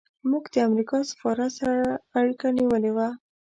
موږ د امریکا سفارت سره اړیکه نیولې وه.